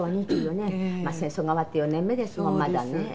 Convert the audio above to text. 戦争が終わって４年目ですもんまだね。